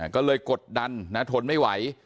ก็เลยกดดันทนไม่ไหว